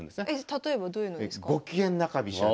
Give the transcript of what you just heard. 例えばどういうのですか？